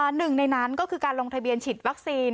หนึ่งในนั้นก็คือการลงทะเบียนฉีดวัคซีน